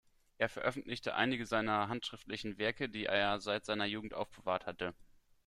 Er veröffentlichte einige seiner handschriftlichen Werke, die er seit seiner Jugend aufbewahrt hatte.